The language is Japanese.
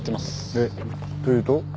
えっというと？